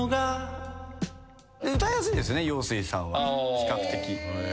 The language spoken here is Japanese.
比較的。